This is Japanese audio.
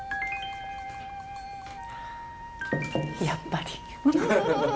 やっぱり。